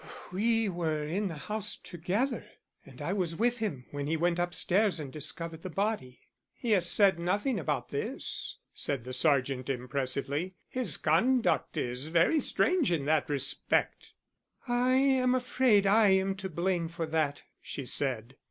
"We were in the house together, and I was with him when he went upstairs and discovered the body." "He has said nothing about this," said the sergeant impressively. "His conduct is very strange in that respect." "I am afraid I am to blame for that," she said.